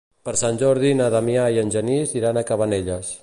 Per Sant Jordi na Damià i en Genís iran a Cabanelles.